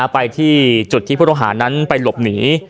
ไปที่จุดที่ผู้ต้องหานั้นไปหลบหนี